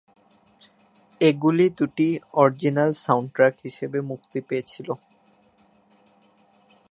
এগুলি দুটি original soundtrack হিসেবে মুক্তি পেয়েছিল।